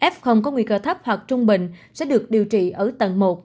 f có nguy cơ thấp hoặc trung bình sẽ được điều trị ở tầng một